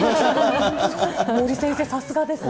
森先生、さすがですね。